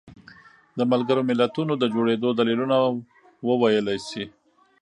د ملګرو ملتونو د جوړېدو دلیلونه وویلی شي.